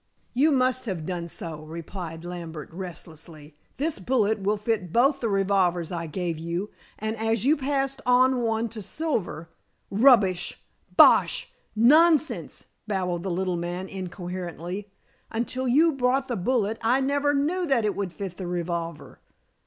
"You must have done so," replied Lambert relentlessly. "This bullet will fit both the revolvers I gave you, and as you passed on one to Silver " "Rubbish! Bosh! Nonsense!" babbled the little man incoherently. "Until you brought the bullet I never knew that it would fit the revolver."